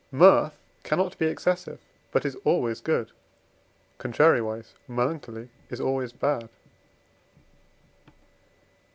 Mirth cannot be excessive, but is always good; contrariwise, Melancholy is always bad.